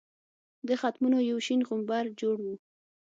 د ختمونو یو شین غومبر جوړ وو.